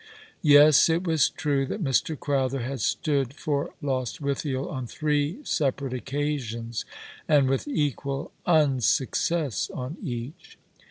Yes, it was true that Mr. Crowther had stood for Lost withiel on three separate occasions, and with equal unsuccess on each.